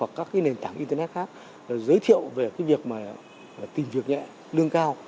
hoặc các nền tảng internet khác giới thiệu về việc tìm việc nhẹ lương cao